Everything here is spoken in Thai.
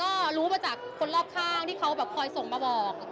กระแสก็รู้มาจากคนรอบข้างที่เค้าคอยส่งมาบอก